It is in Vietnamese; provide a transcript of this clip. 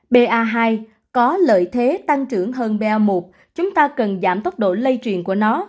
ba hai có lợi thế tăng trưởng hơn ba một chúng ta cần giảm tốc độ lây truyền của nó